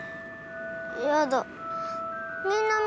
やだ。